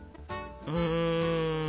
うん。